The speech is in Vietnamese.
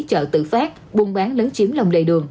chợ tự phát buôn bán lấn chiếm lòng lề đường